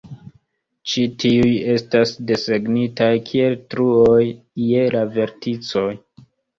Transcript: Ĉi tiuj estas desegnitaj kiel "truoj" je la verticoj.